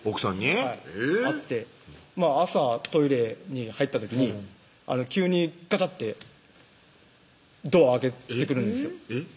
はいあって朝トイレに入った時に急にガチャッてドア開けてくるんですよ